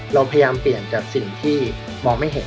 เราพยายามเปลี่ยนจากสิ่งที่มองไม่เห็น